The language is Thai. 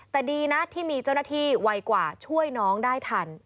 แต่ดีนะที่มีเจ้าหน้าที่ไวกว่าช่วยน้องได้ทัน